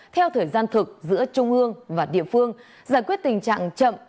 theo thời gian thực giữa trung ương và địa phương giải quyết tình trạng chậm